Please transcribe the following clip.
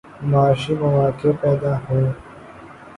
معاشی مواقع پیدا ہوں۔